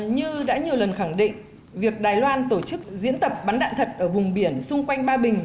như đã nhiều lần khẳng định việc đài loan tổ chức diễn tập bắn đạn thật ở vùng biển xung quanh ba bình